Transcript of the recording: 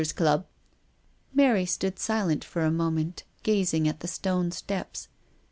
Mary stood silent for a moment, gazing at the stone steps.